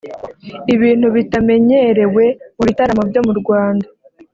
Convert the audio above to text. ibintu bitamenyerewe mu bitaramo byo mu Rwanda